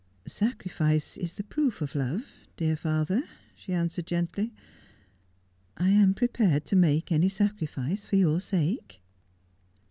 ' Sacrifice is the proof of love, dear father,' she answered gently. ' I am prepared to make any sacrifice for your sake.'